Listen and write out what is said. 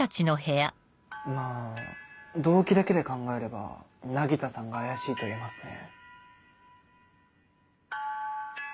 まぁ動機だけで考えれば凪田さんが怪しいと言えますね。